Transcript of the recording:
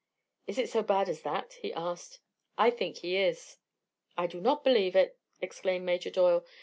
"Is it so bad as that?" he asked. "I think he is." "I'll not believe it!" exclaimed Major Doyle.